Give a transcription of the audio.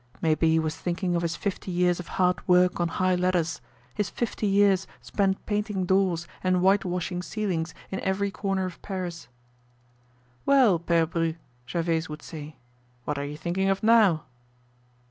Maybe he was thinking of his fifty years of hard work on high ladders, his fifty years spent painting doors and whitewashing ceilings in every corner of Paris. "Well, Pere Bru," Gervaise would say, "what are you thinking of now?"